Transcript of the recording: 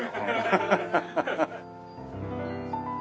ハハハハ。